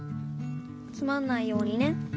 つまんないようにね。